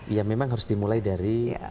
ya memang harus dimulai dari